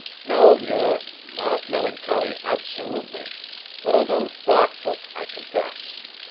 "No, Muir, not melancholy absolutely; but a little thoughtful, I confess.